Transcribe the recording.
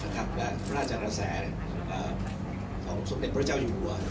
และพระราชกระแสของสมเด็จพระเจ้าอยู่หัว